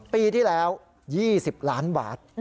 ปีที่แล้ว๒๐ล้านบาท